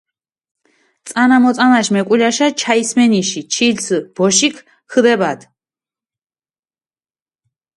წანამოწანაშ მუკულაშა ჩაისმენიში ჩილცჷ ბოშიქ ქჷდებადჷ.